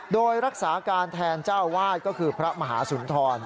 โดยรักษาการแทนเจ้าวาดก็คือพระมหาสุนทร